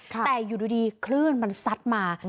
แต่อยู่ดีคลื่นมันซัดมา